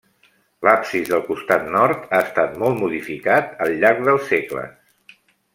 L'absis del costat nord ha estat molt modificat al llarg dels segles.